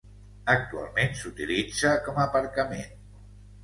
Actualment s'utilitza com aparcament.